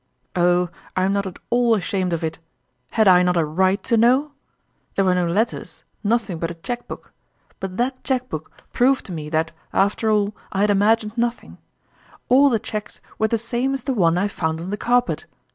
Oh, I am. not at all ashamed of it ! Had I not a right to know ? There were no letters, nothing but a cheque book ; but that cheque book proved to me that, after all, I had imagined nothing: all the cheques were the same as the one I found on the carpet!